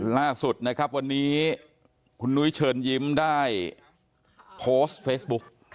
ล่าสุดนะครับวันนี้คุณนุ้ยเชิญยิ้มได้โพสต์เฟซบุ๊ก